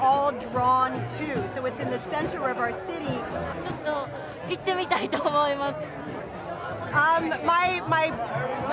ちょっと行ってみたいと思います。